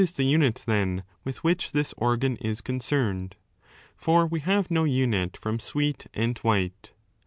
What b the unit, then, ' with which this organ is concerned ? For we have no unit from sweet and white.